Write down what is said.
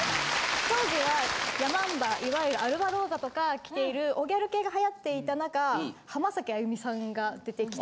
当時はヤマンバいわゆるＡＬＢＡＲＯＳＡとか着ている汚ギャル系が流行っていた中浜崎あゆみさんが出てきて。